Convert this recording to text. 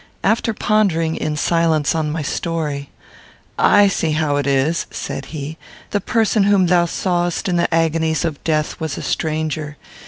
After pondering, in silence, on my story, "I see how it is," said he; "the person whom thou sawest in the agonies of death was a stranger.